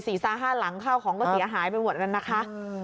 ศีรษะห้าหลังเข้าของประสิทธิ์อาหารเป็นหมดนั้นนะคะ